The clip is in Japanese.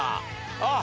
あっ！